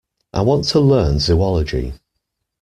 I want to learn Zoology.